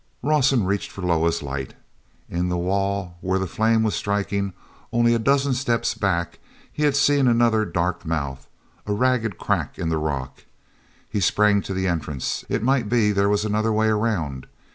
Rawson reached for Loah's light. In the wall where the flame was striking, only a dozen steps back, he had seen another dark mouth, a ragged crack in the rock. He sprang to the entrance; it might be there was another way around.